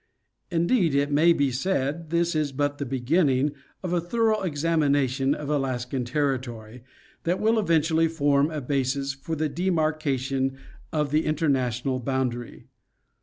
Indeed, it may be said, this is but the beginning of a thorough examination of Alaskan territory, that will eventually form a basis for the demarkation of the international boundary.